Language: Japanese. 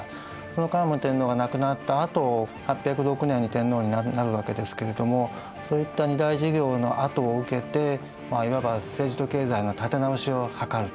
その桓武天皇が亡くなったあと８０６年に天皇になるわけですけれどもそういった二大事業のあとを受けていわば政治と経済の立て直しを図る。